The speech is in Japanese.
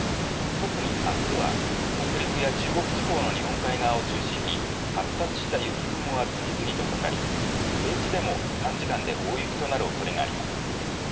特にあすは、北陸や中国地方の日本海側を中心に、発達した雪雲が次々とかかり、平地でも短時間で大雪となるおそれがあります。